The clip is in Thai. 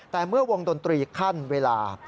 แต่เมื่อวงดนตรีขั้นเวลา